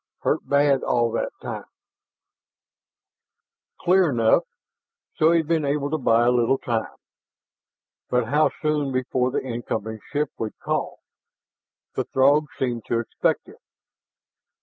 Hurt bad all that time " Clear enough. So he had been able to buy a little time! But how soon before the incoming ship would call? The Throgs seemed to expect it.